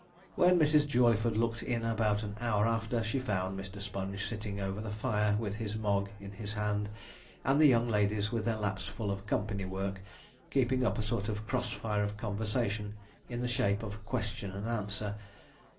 When Mrs. Jawleyford looked in about an hour after, she found Mr. Sponge sitting over the fire with his Mogg in his hand, and the young ladies with their laps full of company work, keeping up a sort of crossfire of conversation in the shape of question and answer.